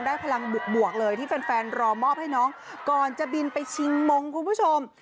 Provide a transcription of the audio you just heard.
ก็ถือซื้ยว่าน้องได้พลังบุกเลยที่แฟนรอมอบให้น้องก่อนจะบินไปชิงมงครูผู้ชม